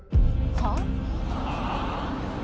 はあ？